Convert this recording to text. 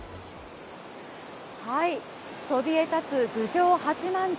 そびえ立つ郡上八幡城。